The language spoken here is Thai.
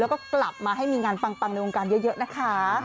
แล้วก็กลับมาให้มีงานปังในวงการเยอะนะคะ